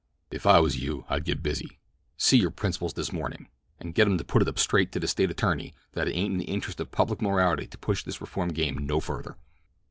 "If I was you I'd get busy. See your principals this mornin', and get 'em to put it up straight to the State attorney that it ain't in the interests of public morality to push this reform game no further.